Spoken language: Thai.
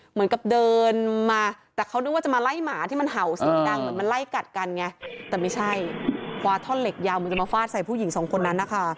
เหมือนกับเดินมาแต่เขานึกว่าจะมาไล่หมาที่มันเห่าเสียงดังเหมือนมันไล่กัดกันไงแต่ไม่ใช่คว้าท่อนเหล็กยาวเหมือนกันมาฟาดใส่ผู้หญิงสองคนนั้นนะคะ